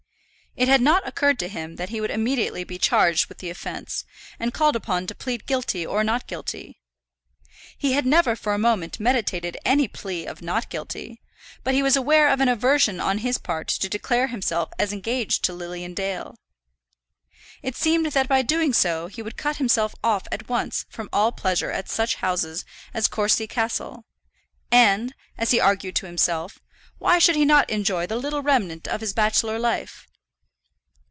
It had not occurred to him that he would immediately be charged with the offence, and called upon to plead guilty or not guilty. He had never for a moment meditated any plea of not guilty, but he was aware of an aversion on his part to declare himself as engaged to Lilian Dale. It seemed that by doing so he would cut himself off at once from all pleasure at such houses as Courcy Castle; and, as he argued to himself, why should he not enjoy the little remnant of his bachelor life?